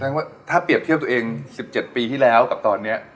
ว่าถ้าเปรียบเทียบตัวเอง๑๗ปีที่แล้วกับตอนนี้